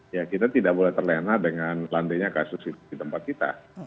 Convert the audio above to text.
ya kita tidak boleh terlena dengan landainya kasus di tempat kita